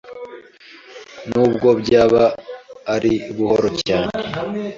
nubwo byaba ari buhoro cyane